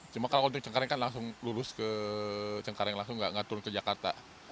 cuma kalau untuk cengkareng kan langsung lurus ke cengkareng langsung nggak turun ke jakarta